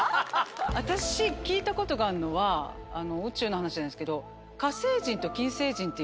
私聞いたことがあるのは宇宙の話なんですけど。